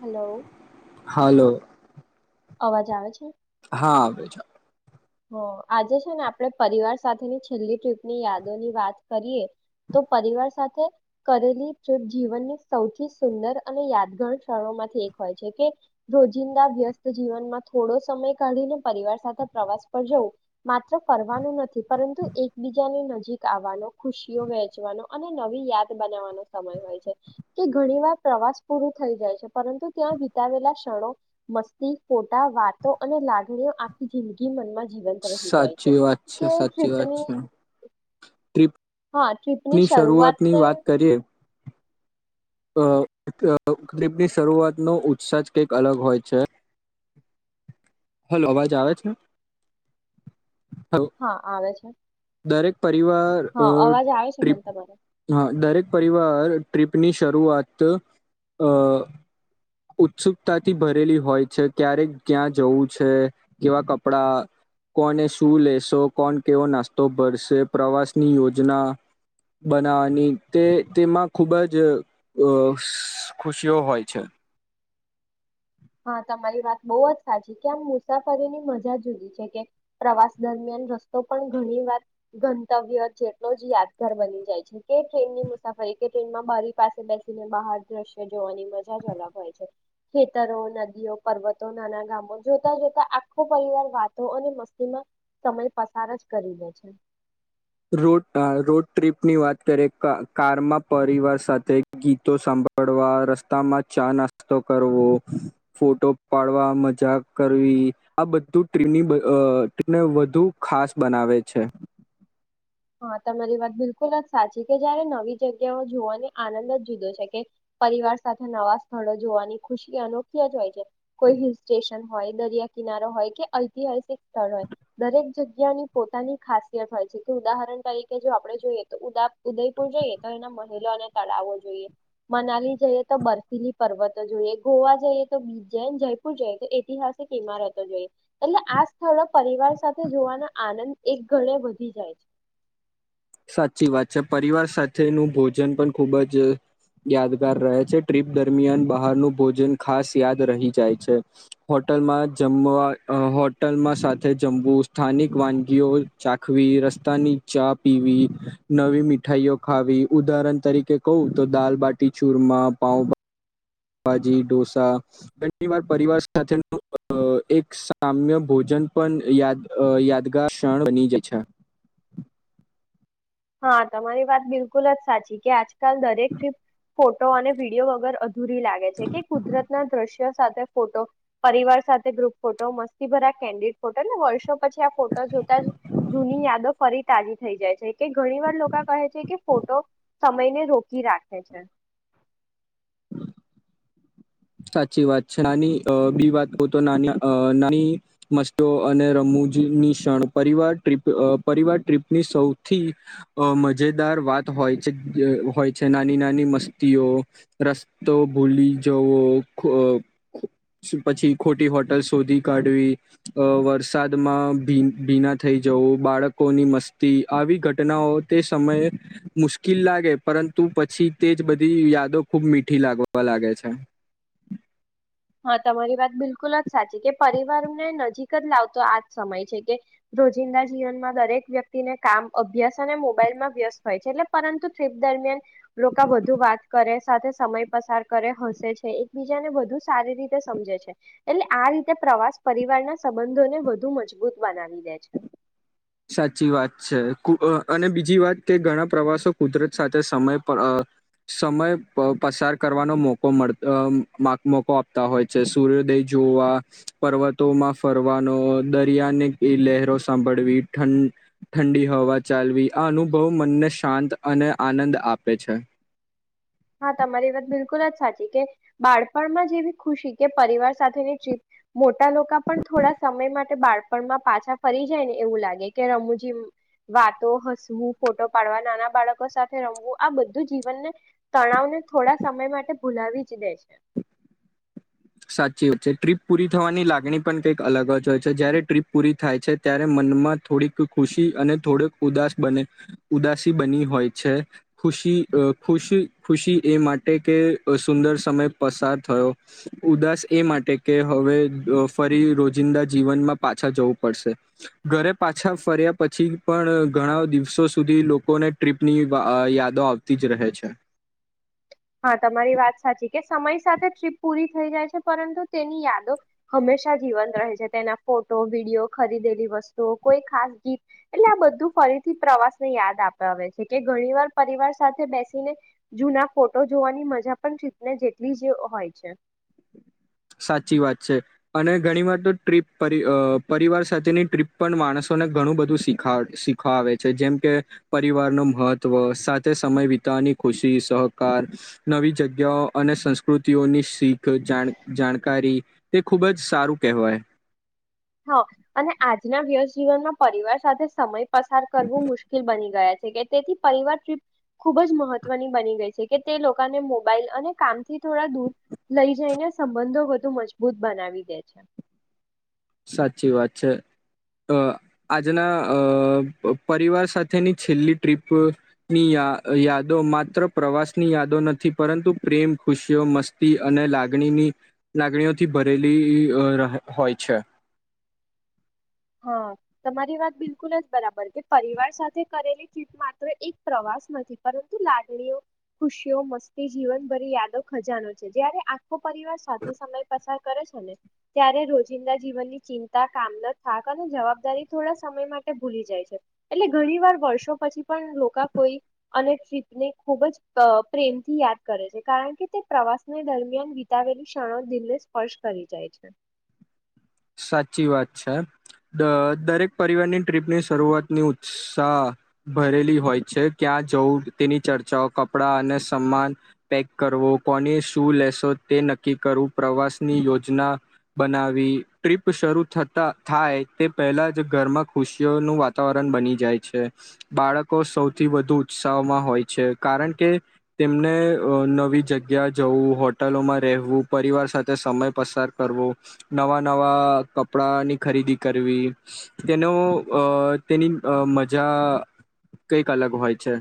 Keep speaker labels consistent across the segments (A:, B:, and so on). A: Hello.
B: Hello.
A: અવાજ આવે છે?
B: હા આવે છે.
A: હા આજે છે ને આપણે પરિવાર સાથેની છેલ્લી ટ્રીપની યાદોની વાત કરીએ, તો પરિવાર સાથે કરેલી ટ્રીપ જીવનની સૌથી સુંદર અને યાદગાર ક્ષણો માંથી એક હોય છે કે રોજિંદા વ્યસ્ત જીવનમાં થોડો સમય કાઢીને પરિવાર સાથે પ્રવાસ પણજો, માત્ર ફરવાનું નથી પરંતુ એકબીજાની નજીક આવવાનો, ખુશીઓ વહેચવાનો અને નવી યાદ બનાવવાનો સમય હોય છે, કે ઘણી વાર પ્રવાસ પૂરું થઈ જાય છે પરંતુ ત્યાં વિતાવેલા ક્ષણો, મસ્તી, ફોટા વાતો અને લાગણીઓ આખી જિંદગી મનમાં જીવંત રહી જાય છે.
B: સાચી વાત
A: કે [unintelligible]
B: ટ્રીપ
A: હા ટ્રીપની
B: ની
A: શરૂઆત
B: શરૂઆતની વાત કરીએ અહ અહ ટ્રીપની‌ શરૂઆતનો ઉત્સાહ જ કંઈક અલગ હોય છે. હલો અવાજ આવે છે? હલો
A: હા આવે છે.
B: દરેક પરિવાર અ
A: હા અવાજ આવે છે
B: ટ્રીપ
A: મને તમારો
B: હા દરેક પરિવાર ટ્રીપની શરૂઆત અ ઉત્સુકતાથી ભરેલી હોય છે. ક્યારેક ક્યાં જવું છે કેવા કપડા કોને શું લેશો કોણ કેવો નાસ્તો ભરશે પ્રવાસની યોજના બનાવાની તે તેમાં ખૂબ જ અ‌ શુ ખુશીઓ હોય છે.
A: હા તમારી વાત બહુ જ સાચી કે આમ મુસાફરીની મજા જુદી છે કે પ્રવાસ દરમિયાન રસ્તો પણ ઘણી વાર ગંતવ્ય જેટલો જ યાદગાર બની જાય છે કે ટ્રેનની મુસાફરી કે ટ્રેનમાં બારી પાસે બેસીને બહાર દ્રશ્ય જોવાની મજા જ અલગ હોય છે. તરો નદીઓ પર્વતો નાના ગામો જોતા જોતા આખો પરિવાર વાતો અને મસ્તીમાં સમય પસાર જ કરી દે છે.
B: રો રોડ ટ્રીપની વાત કરીએ કા કારમાં પરિવાર સાથે ગીતો સાંભળવા રસ્તામાં ચા નાસ્તો કરવો ફોટો પાડવા મજા કરવી આ બધું ટ્રની અ ટ્રીનીને વધુ ખાસ બનાવે છે.
A: હા તમારી વાત બિલકુલ જ સાચી કે જયારે નવી જગ્યાઓ જોવાને આનંદ જ જુદો છે કે પરિવાર સાથે નવા સ્થળો જોવાની ખુશી અનોખી જ હોય છે કોઈ હિલ સ્ટેશન હોય દરિયા કિનારો હોય કે ઐતિહાસિક સ્થળ હોય દરેક જગ્યાની પોતાની ખાસિયત હોય છે. કે ઉદાહરણ તરીકે જો આપણે જોઈએ તો ઉદા ઉદયપુર જઈએ તો એના મહેલો અને તળાવો જોઈએ મનાલી જઈએ તો બર્ફીલી પર્વતો જોઈએ ગોવા જઈએ તો બીચ જઈ જયપુર જઈએ તો ઐતિહાસિક ઈમારતો જોઈએ એટલે આ સ્થળો પરિવાર સાથે જોવાનો આનંદ એક ગણે વધી જાય છે.
B: સાચી વાત છે પરિવાર સાથેનું ભોજન પણ ખુબ જ યાદગાર રહે છે. ટ્રીપ દરમિયાન બહારનું ભોજન ખાસ યાદ રહી જાય છે. હોટલમાં જમવા હોટલમાં સાથે જમવું સ્થાનિક વાનગીઓ ચાખવી રસ્તાની ચાપ પીવી નવી મીઠાઈઓ ખાવી ઉદાહરણ તરીકે કવું તો દાલબાટી ચૂરમાં પાઉ ભા ભાજી ઢોસા ઘણી વાર પરિવાર સાથેનું એક સામ્ય ભોજન પણ યાદ અ‌ યાદગાર ક્ષણ બની જાય છે.
A: હા, તમારી વાત બિલકુલ જ સાચી કે આજ- ચાલ દરેક ટ્રિપ- ફોટો અને વિડીયો વગર અ- ધૂરી લાગે છે કે કુદરતના દ્રશ્ય- સાથે ફોટો, પરિવાર સાથે ગ્રુપ ફોટો, મસ્તીભર્યા કેન્ડિડ ફોટો, વર્ષો પછી આ ફોટો જોતા જૂની યાદો ફરી તાજી થઈ જાય છે [unintelligible] કે ઘણી વાર લોકા કહે છે કે ફોટો- સમયને રોકી રાખે છે.
B: સાચી વાત છે નાની બી વાત કહુ તો નાની નાની વસ્તુઓ અને રમુ જી ની ક્ષણ પરિવાર ટ્રીપ અ પરિવાર ટ્રીપની સૌથી અ મજેદાર વાત હોય છે હોય છે નાની નાની મસ્તીઓ રસ્તો ભૂ લી જ વો અ પછી ખોટી હોટલ શોધી કાઢવી અ વરસાદમાં ભી ભીના થઈ જવું બાળકોની મસ્તી આવી ઘટનાઓ તે સમયે મુશ્કિલ લાગે પરંતુ પછી તે જ બધી યાદો ખૂબ મીઠી લાગવા લાગે છે
A: હા તમારી વાત બિલકુલ જ સાચી છે પરિવારને નજીક જ લાવતો આજ સમય છે કે રોજિંદા જીવનમાં દરેક વ્યક્તિને કામ અભ્યાસ અને મોબાઈલ માં વ્યસ્ત હોય છે એટલે પરંતુ ટ્રીપ દરમિયાન લોકા વધુ વાત કરે સાથે સમય પસાર કરે હસે છે એકબીજાને વધુ- સારી રીતે સમજે છે. એટલે, આ રીતે પ્રવાસ પરિવારના સંબંધોને વધુ મજબૂત બનાવી દે છે.
B: સાચી વાત છે, ખૂબ અને બીજી વાત કે, ઘણા પ્રવાસો કુદરત સાથે સમય પ અ સમય પ પસાર કરવાનો મોકો મળ મા મોકો આપતા હોય છે. સૂર્યોદય જોવા, પર્વતોમાં ફરવાનો, દરિયાની ઈ લહેરો સાંભળવી, - ઠન ઠંડી હવા ચાલવી. આ અનુભવ મનને શાંત અને આનંદ આપે છે.
A: હા, તમારી વાત બિલકુલ જ સાચી છે, બાળપણમાં જેવી ખુશી કે પરિવાર સાથેની ટ્રીપ મોટા લોકા પણ થોડા સમય માટે બાળપણમાં પાછા ફરી જાય ને એવું લાગે, કે રમુંજી વાતો, હસવું, ફોટો પાડવા, નાના બાળકો સાથે રમવું, આ બધું જીવનને- તણાવને થોડા સમય માટે ભૂલાવી જ દે છે.
B: સાચી આત છે. ટ્રીપ પૂરી થવાની લાગણી પણ કંઈક અલગ જ હોય છે. જયારે ટ્રીપ પૂરી થાય છે, ત્યારે મનમાં થોડીક ખુશી અને થોડોક ઉદાસ બને, ઉદાસી બની હોય છે. ખુશી, ખુશ, ખુશી એ માટે કે સુંદર સમય પસાર થયો- ઉદાસ એ માટે કે હવે ફરી રોજિંદા જીવનમાં પાછા જવું પડશે. ઘરે પાછા ફર્યા પછી પણ ઘણા દિવસો સુધી લોકોને ટ્રીપની વ અ યાદો આવતી જ રહે છે.
A: હા, તમારી વાત સાચી કે- સમય સાથે ટ્રીપ પૂરી થઈ જાય છે, પરંતુ તેની યાદો હંમેશા જીવંત રહે છે. તેના ફોટો, વિડીયો, ખરીદેલી વસ્તુઓ, કોઈ ખાસ ગીત- એટલે આ બધું ફરી- થી પ્રવાસ ને યાદ આપ આવે છે કે ઘણી વાર પરિવાર સાથે બૈસીને જુના- ફોટો જોવાની મજા પણ [unintelligible] ને જેટલી જ હોય છે.
B: સાચી વાત છે. અને ઘણી વાર તો ટ્રીપ પરિ અ પરિવાર સાથેની ટ્રીપ પણ માણસોને ઘણું બધું શીખ શીખાવે છે, જેમ કે પરિવારનું મહત્ત્વ, સાથે સમય વિતાવવાની ખુશી, સહકાર, નવી જગ્યાઓ અને સંસ્કૃતિઓની શીખ જા- જાણકારી, તે ખૂબ જ સારું કહેવાય.
A: હ અને આજના વ્યસ જીવનમાં પરિવાર સાથે સમય પસાર કરવું મુશ્કેલ બની ગયા છે, કે તેથી પરિવાર ટ્રીપ ખુબ જ મહત્વની બની ગઈ છે, કે તે લોકાને મોબાઈલ અને કામથી થોડા દૂર લઈ જઈને સંબંધો વધુ મજબૂત બનાવી દે છે.
B: સાચી વાત છે. અ આજના અ પરિવાર સાથેની છેલ્લી ટ્રીપ ની યા યાદો માત્ર પ્રવાસની યાદો નથી પરંતુ પ્રેમ, ખુશીઓ, મસ્તી અને લાગણીની લાગણીઓથી ભરેલી રાહ હોય છે.
A: હા તમારી વાત બિલકુલ જ બરાબર કે પરિવાર સાથે કરેલી ટ્રીપ માત્ર એક પ્રવાસ નથી પરંતુ લાગણીઓ, ખુશીઓ, મસ્તી, જીવનભરી યાદો ખજાનો છે જ્યારે આ - ખો પરિવાર સાથે સમય પસાર- કરે છે ને, ત્યારે રોજિંદા જીવનની ચિંતા, કામ- થાક અને જવાબદારી થોડા સમય માટે ભૂલી જાય છે. એટલે ઘણી વાર વર્ષો પછી પણ લોકા કોઈ અને ટ્રીપને ખૂબ જ અ પ્રેમથી યાદ કરે છે, કારણ કે તે પ્રવાસને દરમિયાન વિતાવેલી ક્ષણો દિલને સ્પર્શ કરી જાય છે.
B: સાચી વાત છે, દ દરેક પરિવારની ટ્રીપની શરૂઆતની ઉત્સાહ ભરેલી હોય છે, ક્યાં જવું તેની ચર્ચાઓ, કપડા અને સમાન પેક કરવો, કોની શું લેશો તે નક્કી કરવું પ્રવાસની યોજના બનાવવી, ટ્રીપ શરૂ થતા થાય તે પહેલાં જ ઘરમાં ખુશીઓનું વાતાવરણ બની જાય છે. બાળકો સૌથી વધુ ઉત્સાહમાં હોય છે કારણ કે તેમને અ નવી જગ્યા જવું, હોટલોમાં રહેવું, પરિવાર સાથે સમય પસાર કરવો, નવા નવા કપડાની ખરીદી કરવી તેનો અ તેની અ મજા કઈક અલગ હોય છે.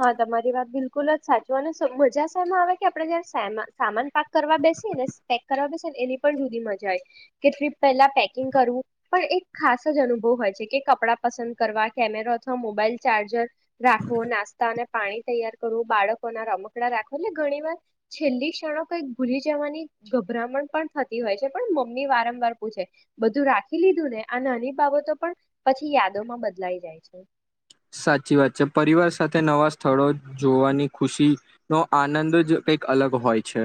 A: હા તમારી વાત બિલકુલ જ સાચું અને સ મજા સામાં આવે કે આપડે જયારે સેમ સામાન પાક કરવા બેસીએને, પેક કરવા બેસીને, એની પણ જુદી મજા આવે. કેટલી પહેલા પેકિંગ કરવું પણ એક ખાસ જ અનુભવ હોય છે, કે કપડાં પસંદ કરવા, કેમેરો અથવા મોબાઈલ ચાર્જર રાખો નાસ અને પાણી તૈયાર કરવું, બાળકોના રમકડા રાખો એટલે ઘણી વાર છેલ્લી ક્ષણો કઈ ભૂલી જવાની ગભરામણ પણ થતી હોય છે પણ મમ્મી વારંવાર પૂછે બધું રાખી લીધું ને? આ નાની બાબતો પણ પછી યાદોમાં બદલાઈ જાય છે.
B: સાચી વાત છે, પરિવાર સાથે નવા સ્થળો જોવાની ખુશીનો આનંદ જ કંઈક અલગ હોય છે.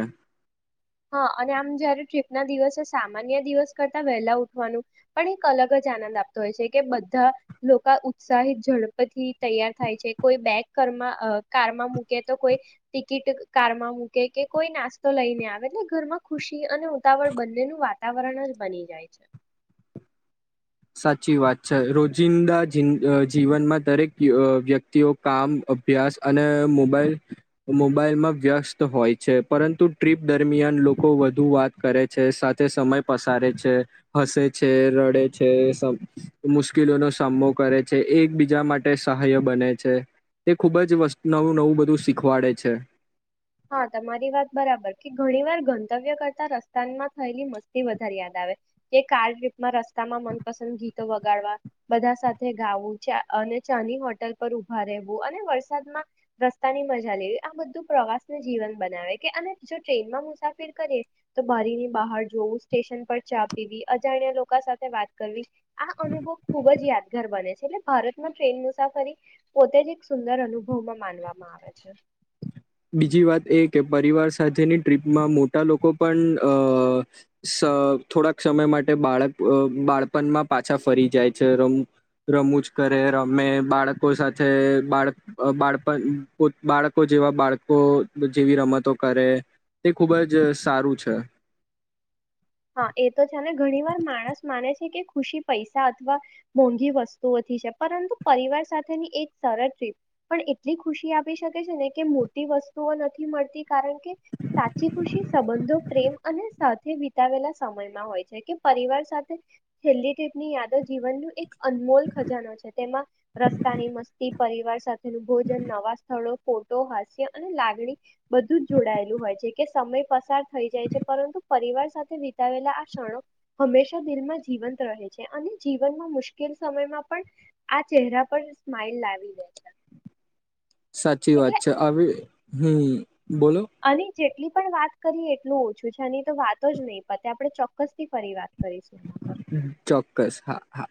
A: હા અને આમ જયારે ટ્રીપના દિવસે સામાન્ય દિવસ કરતા વહેલા ઉઠવાનું, પણ એક અલગ જ આનંદ આપતો હોય છે, કે બધા લોકો ઉત્સાહિત, ઝડપથી તૈયાર થાય છે કોઈ બેગમાં ઘરમાં, કારમાં મૂકે તો કોઈ ટિકિટ કારમાં મૂકે કે કોઈ નાસ્તો લઈને આવે- ઘરમાં ખુશી અને ઉતાવળ બંનેનું વાતાવરણ જ બની જાય છે.
B: સાચી વાત છે. રોજિંદા જીન જીવનમાં અ દરેક અ વ્યક્તિઓ કામ અભ્યાસ અને મોબાઈલ મોબાઈલમાં વ્યસ્ત હોય છે. પરંતુ ટ્રીપ દરમિયાન લોકો વધુ વાત કરે છે, સાથે સમય પસારે છે, હસે છે રડે છે સમ, મુશ્કેલીઓનો સામનો કરે છે, એકબીજા માટે સહાય બને છે તે ખૂબ વસ્ નવું નવું બધું શીખવાડે છે.
A: હા, તમારી વાત બરાબર કે ઘણી વાર ગંતવ્ય કરતા રસ્તામાં થયેલી મસ્તી વધારે યાદ આવે કે કાર માં રસ્તામાં મનપસંદ ગીત, વગાડવા બધા સાથે ગાવું ચા અને ચાની હોટલ પર ઉભા રહેવું અને વરસાદમાં રસ્તાની મજા લેવી આ બધું પ્રવાસ જીવન બનાવે કે અને જો ટ્રેનમાં ટ્રેન જીવન બનાવે કે ટ્રેનમાં મુસાફિર કરીએ તો બરીની બહાર જોવું સ્ટેશન પર ચા પીવી અજાણ્યા લોકો સાથે વાત કરવી આ અનુભવ ખુબ જ યાદ દર બને છે એટલે ભારતમાં ટ્રેન મુસાફરી પોતે જ એક સુંદર અનુભવમાં માનવામાં આવે છે.
B: બીજી વાત એ કે પરિવાર સાથેની ટ્રીપમાં મોટા લોકો પણ અ સ થોડાક સમય માટે બાળક બાળપણમાં પાછા ફરી જાય છે. રમુ રમુજ કરે રમે બાળકો સાથે બાળક અ બાળપણ પોત બાળકો જેવા બાળક કો જેવી રમતો કરે તે ખૂબ જ સારું છે.
A: હા એ તો છેને ઘણી વાર માણસ માને છે કે ખુશી પૈસા અથવા મોંઘી વસ્તુઓથી છે પરંતુ પરિવાર સાથેની એક સરળ ટ્રીપ પણ એટલી ખુશી આપી શકે છે ને કે મોટી વસ્તુઓ નથી મળતી કારણ કે સાચી ખુશી સંબંધો પ્રેમ અને સાથે વેલા સમયમાં હોય છે કે પરિવાર સાથે છેલ્લી ટ્રીપ ની યાદો જીવન ની એક અનમોલ ખજાનો છે તેમાં રસ્તાની મસ્તી પરિવાર સાથે ભોજન નવા સ્થળો ફોટો હાસ્ય અને લાગણી બધું જ જોડાયેલું હોય છે કે સમય પસાર થઈ જાય છે પરંતુ પરિવાર સાથે વિતાવેલા આ ક્ષણો હંમેશા દિલમાં જીવંત રહે છે અને જીવનમાં મુશ્કેલ સમયમાં પણ આ ચેરા પર સ્માઈલ લાવી દે છે.
B: સાચી વાત
A: એટલે
B: છે આવી હમ. બોલો.
A: આની જેટલી પણ વાત કરીએ એટલું ઓછું છે આની તો વાતો જ નહી પતે આપડે ચોક્કસ થી ફરી વાત કરીશું એના પર
B: ચોક્કસ હા હા.